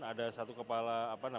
ada satu kepala adat